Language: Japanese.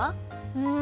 うん。